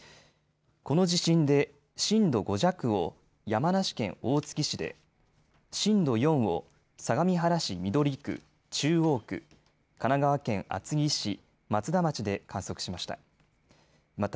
この地震で震度５弱を山梨県大月市で、震度４を相模原市緑区、中央区、神奈川県厚木市、松田町で観測しました。